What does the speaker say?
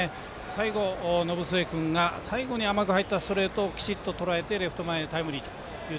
最後、延末君が最後に甘く入ったストレートをきちんととらえてレフト前タイムリー。